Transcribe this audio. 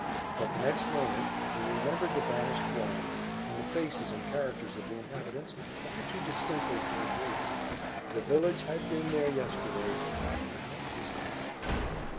But, the next moment, they remembered the vanished dwellings, and the faces and characters of the inhabitants, far too distinctly for a dream. The village had been there yesterday, and now was gone!